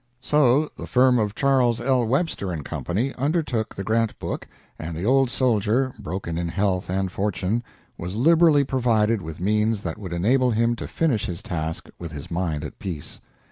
So the firm of Charles L. Webster & Co. undertook the Grant book, and the old soldier, broken in health and fortune, was liberally provided with means that would enable him to finish his task with his mind at peace.